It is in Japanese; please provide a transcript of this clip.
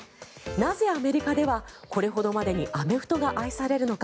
なぜアメリカではこれほどまでにアメフトが愛されるのか。